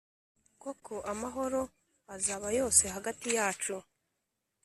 koko amahoro azaba yose hagati yacu.